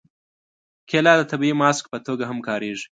کېله د طبیعي ماسک په توګه هم کارېږي.